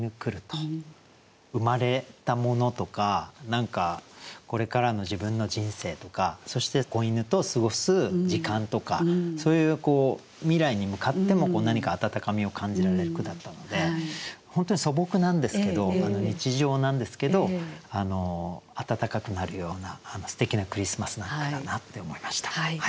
生まれたものとか何かこれからの自分の人生とかそして仔犬と過ごす時間とかそういうこう未来に向かっても何か温かみを感じられる句だったので本当に素朴なんですけど日常なんですけど温かくなるようなすてきなクリスマスなんだろうなって思いました。